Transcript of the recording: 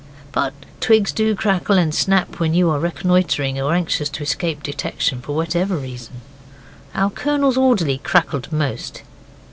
But twigs do crackle and snap so when you are reconnoitring, or anxious to escape detection for whatever reason. Our Colonel's orderly crackled most.